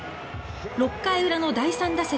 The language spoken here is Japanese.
６回ウラの第３打席。